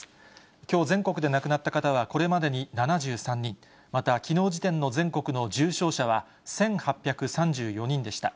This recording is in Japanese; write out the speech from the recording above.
きょう全国で亡くなった方は、これまでに７３人、また、きのう時点の全国の重症者は１８３４人でした。